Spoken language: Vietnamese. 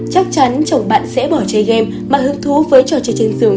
chắc chắn chồng bạn sẽ bỏ chơi game mà hứng thú với trò chơi trên giường